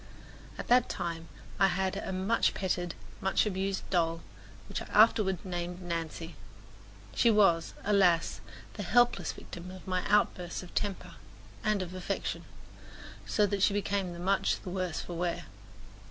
At that time I had a much petted, much abused doll, which I afterward named Nancy. She was, alas, the helpless victim of my outbursts of temper and of affection, so that she became much the worse for wear.